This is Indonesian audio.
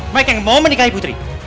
mereka yang mau menikahi putri